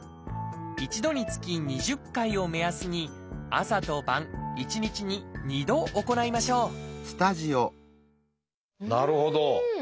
一度につき２０回を目安に朝と晩一日に２度行いましょうなるほど。